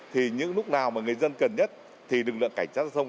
thì những lúc nào mà người dân cần nhất thì lực lượng cảnh sát giao thông